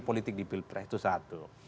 politik di pilpres itu satu